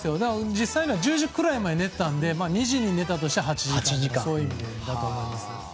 実際には１０時くらいまで寝てたので２時に寝たとして８時間だと思うんですが。